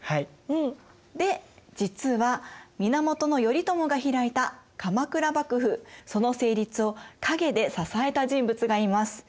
うん！で実は源頼朝が開いた鎌倉幕府その成立を陰で支えた人物がいます。